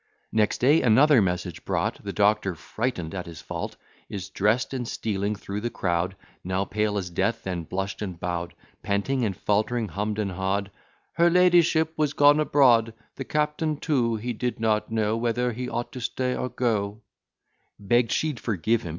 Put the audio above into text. Next day another message brought; The Doctor, frighten'd at his fault, Is dress'd, and stealing through the crowd, Now pale as death, then blush'd and bow'd, Panting and faltering humm'd and ha'd, "Her ladyship was gone abroad: The captain too he did not know Whether he ought to stay or go;" Begg'd she'd forgive him.